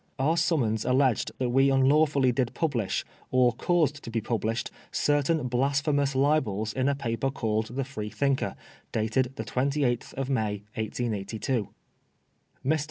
Our summons alleged that we un lawfully did publish, or caused to be published, certain blasphemous libels in a newspaper called the Freethinker^ dated the 28th of May, 1882. Mr.